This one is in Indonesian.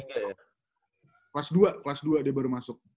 kelas dua kelas dua dia baru masuk